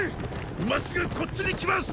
まっすぐこっちに来ます！